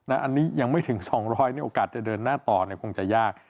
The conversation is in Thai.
อันนี้ยังไม่ถึง๒๐๐โอกาสจะเดินหน้าต่อคงจะยาก